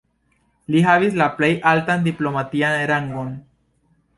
Li havis la plej altan diplomatian rangon.